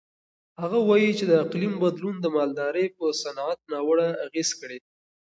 هغه وایي چې د اقلیم بدلون د مالدارۍ په صنعت ناوړه اغېز کړی.